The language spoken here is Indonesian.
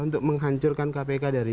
untuk menghancurkan kpk dari